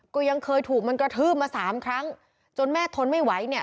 ก็ยังเคยถูกมันกระทืบมาสามครั้งจนแม่ทนไม่ไหวเนี่ย